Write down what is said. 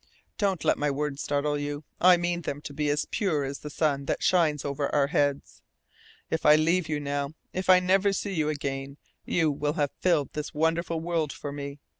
Don't let my words startle you. I mean them to be as pure as the sun that shines over our heads. If I leave you now if I never see you again you will have filled this wonderful world for me.